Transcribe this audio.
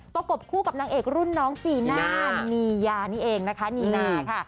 ประกบคู่กับนางเอกรุ่นน้องจีน่านียานี่เองนะคะนีนาค่ะ